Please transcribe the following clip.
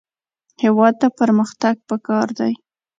هېواد ته پرمختګ پکار دی